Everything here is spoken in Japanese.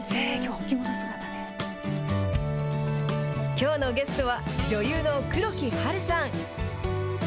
きょうのゲストは女優の黒木華さん。